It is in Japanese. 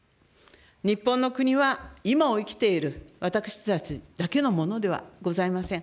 日本の国は今を生きている私たちだけのものではございません。